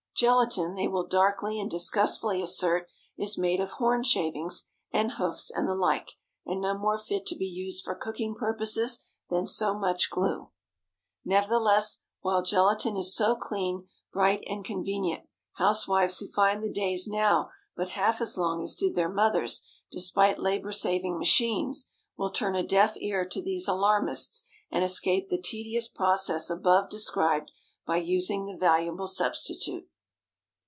Gelatine, they will darkly and disgustfully assert, is made of horn shavings and hoofs and the like, and no more fit to be used for cooking purposes than so much glue. Nevertheless, while gelatine is so clean, bright, and convenient, housewives who find the days now but half as long as did their mothers, despite labor saving machines, will turn a deaf ear to these alarmists, and escape the tedious process above described by using the valuable substitute.